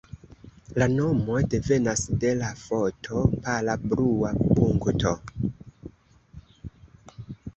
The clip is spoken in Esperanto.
La nomo devenas de la foto Pala Blua Punkto.